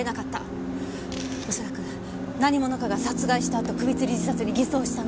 おそらく何者かが殺害したあと首吊り自殺に偽装したの。